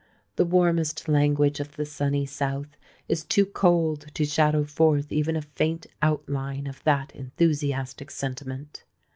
The warmest language of the sunny south is too cold to shadow forth even a faint outline of that enthusiastic sentiment.